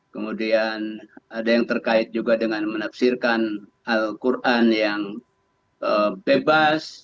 kemudian ada yang terkait juga dengan menafsirkan al quran yang bebas